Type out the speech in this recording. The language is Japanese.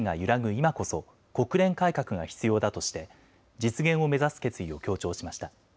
今こそ国連改革が必要だとして実現を目指す決意を強調しました。